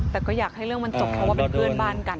แต่ก็อยากให้เรื่องมันจบเพราะว่าเป็นเพื่อนบ้านกัน